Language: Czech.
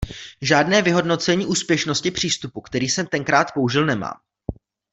Žádné vyhodnocení úspěšnosti přístupu, který jsem tenkrát použil nemám.